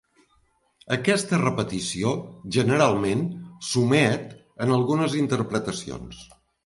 Aquesta repetició, generalment, s'omet en algunes interpretacions.